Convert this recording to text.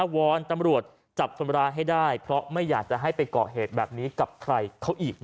วอนตำรวจจับคนร้ายให้ได้เพราะไม่อยากจะให้ไปก่อเหตุแบบนี้กับใครเขาอีก